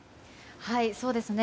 そうですね。